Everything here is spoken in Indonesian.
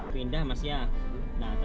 yang bisa mereka kesini